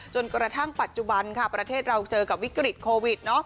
จนกระทั่งปัจจุบันค่ะประเทศเราเจอกับวิกฤตโควิด